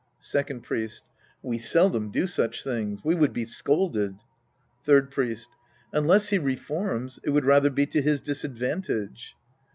Second Priest. We seldom do such things. We would be scolded. Third Priest. Unless he reforms, it would rather be to his disadvantage.